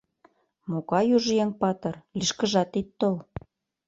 Могай южо еҥ патыр, лишкыжат ит тол!